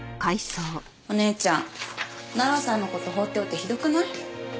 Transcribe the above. お姉ちゃん直哉さんの事放っておいてひどくない？